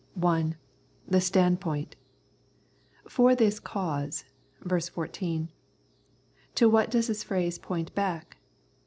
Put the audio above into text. I. The Standpoint. " For this cause " (ver. 14). To what does this phrase point back